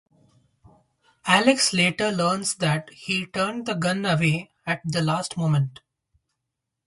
Alex later learns that he turned the gun away at the last moment.